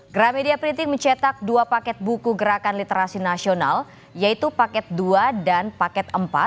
gramedia printing mencetak dua paket buku gerakan literasi nasional yaitu paket dua dan paket empat